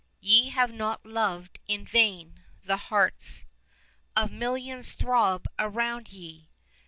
Ye have not loved in vain: the hearts Of millions throb around ye.